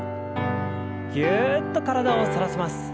ぎゅっと体を反らせます。